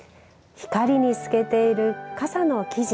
光に透けている傘の生地。